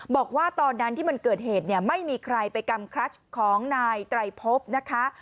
บอกว่าตอนนั้นที่มันเกิดเหตุเนี่ยไม่มีใครไปกำคลัชของนายไตรพบนะคะ